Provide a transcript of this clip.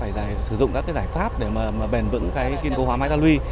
phải sử dụng các cái giải pháp để mà bền vững cái kiên cố hóa máy ta luy